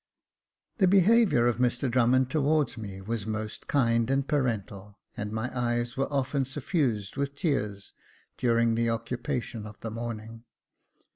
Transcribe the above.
The behaviour of Mr Drummond towards me was most kind and parental, and my eyes were often suffused with tears during the occupation of the morning.